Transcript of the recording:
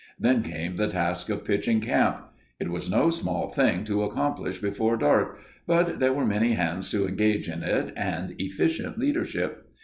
Then came the task of pitching camp. It was no small thing to accomplish before dark, but there were many hands to engage in it and efficient leadership.